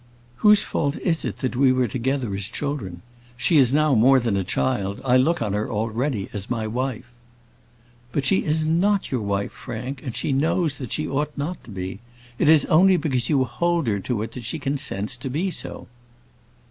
"Whose fault is it that we were together as children? She is now more than a child. I look on her already as my wife." "But she is not your wife, Frank; and she knows that she ought not to be. It is only because you hold her to it that she consents to be so."